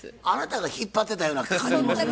あなたが引っ張ってたような感じも。